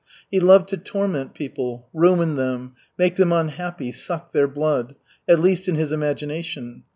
He loved to torment people, ruin them, make them unhappy, suck their blood at least, in his imagination.